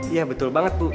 iya betul banget bu